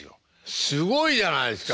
すごいじゃないですか！